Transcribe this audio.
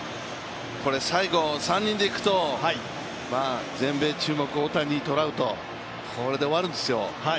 これ、最後３人でいくと、全米注目、大谷×トラウト、これで終わるんですよ。